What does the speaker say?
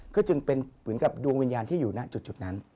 ก็จึงเป็นเหมือนกับดวงวิญญาณที่อยู่ณจุดนั้น